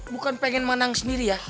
bukan pengen menang sendiri ya